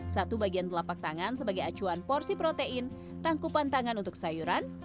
satu bagian telapak tangan sebagai acuan porsi protein tangkupan tangan untuk sayur dan selanjutnya